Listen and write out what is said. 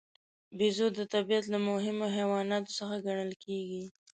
بیزو د طبیعت له مهمو حیواناتو څخه ګڼل کېږي.